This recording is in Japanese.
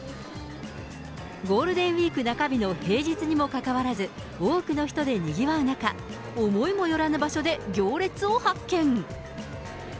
ゴールデンウィーク中日の平日にもかかわらず、多くの人でにぎわう中、思いもよらぬ場所で行列を発見。